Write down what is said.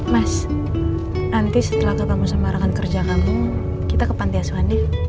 mas nanti setelah ketemu sama rakan kerja kamu kita ke panti aswande